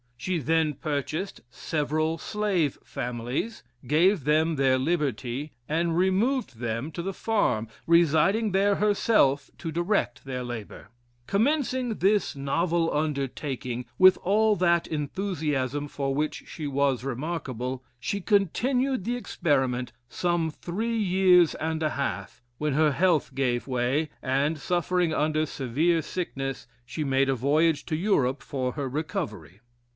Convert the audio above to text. She then purchased several slave families, gave them their liberty, and removed them to the farm, residing there herself to direct their labor. Commencing this novel undertaking with all that enthusiasm for which she was remarkable, she continued the experiment some three years and a half, when her health gave way, and, suffering under severe sickness, she made a voyage to Europe for her recovery.